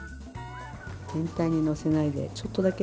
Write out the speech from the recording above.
全体にのせないでちょっとだけ。